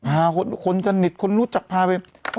พาคนสนิทคนรู้จักพาไป